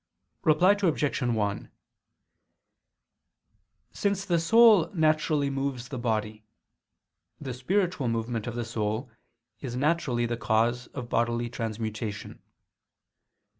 Reply Obj. 1: Since the soul naturally moves the body, the spiritual movement of the soul is naturally the cause of bodily transmutation.